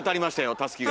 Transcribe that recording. たすきが。